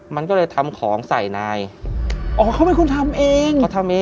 มันก็เลยทำของใส่นายอ๋อเขาเป็นคนทำเองเขาทำเอง